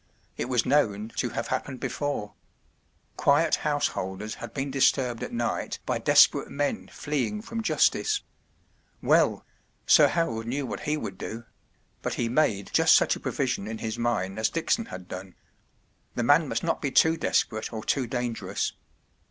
It was known to have happened before. Quiet householders had been disturbed at night by desperate men fleeing from justice. Well—Sir Harold knew what he would do ; but he made just such a provision in his mind as Dickson had done. The man must not be too desperate or too dangerous.